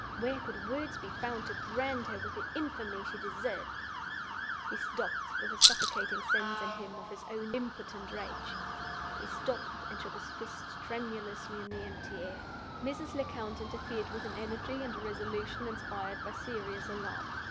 Where could words be found to brand her with the infamy she deserved? He stopped, with a suffocating sense in him of his own impotent rage—he stopped, and shook his fist tremulously in the empty air. Mrs. Lecount interfered with an energy and a resolution inspired by serious alarm.